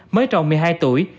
mới trồng một mươi hai tuổi